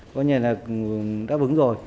coi như là đã vững rồi